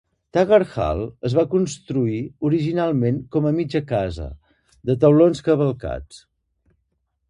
Taggart Hall es va construir originalment com a "mitja casa" de taulons cavalcats.